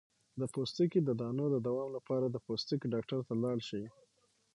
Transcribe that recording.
د پوستکي د دانو د دوام لپاره د پوستکي ډاکټر ته لاړ شئ